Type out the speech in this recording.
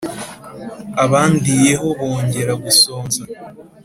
Abandiyeho bongera gusonza,